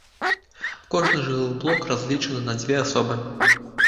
Кожны жылы блок разлічаны на дзве асобы.